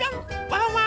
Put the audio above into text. ワンワン